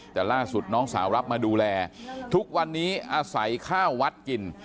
แต่ล่าสุดน้องสาวรับมาดูแลทุกวันนี้อาศัยข้าววัดกิน